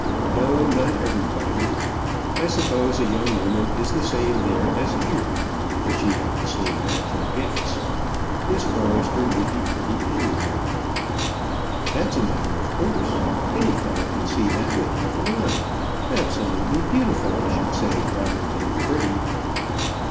"No, not everybody. I suppose a young woman is the same there as here, if she have the same natural gifts. Miss Forrester would be pretty anywhere." "That's a matter of course. Any fellow can see that with half an eye. Absolutely beautiful, I should say, rather than pretty."